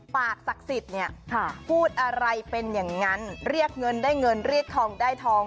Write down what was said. ปากศักดิ์สิทธิ์เนี่ยพูดอะไรเป็นอย่างนั้นเรียกเงินได้เงินเรียกทองได้ทอง